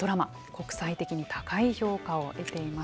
国際的に高い評価を得ています。